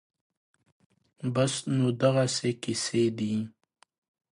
بس نو دغسې قېصې دي